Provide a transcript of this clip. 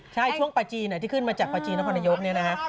ใช่ช่วงปลาจีนที่ขึ้นมาจากประจีนนครนายกเนี่ยนะฮะ